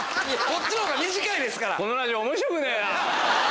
こっちのほうが短いですから。